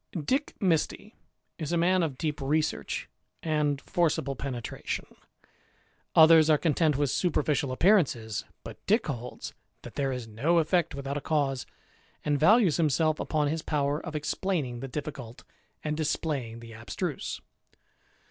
Dick Misty is a man of deep research and forcible penetration. Others are content with superficial appear ances ; but Dick holds, that there is no effect without a cause, and values himself upon his power of explaining the 326 THE IDLER, difficult and displaying the abstruse.